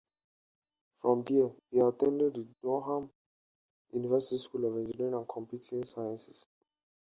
From there he attended the Durham University School of Engineering and Computing Sciences.